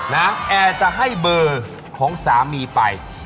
นางแอร์จะให้เบอร์ของสามีไป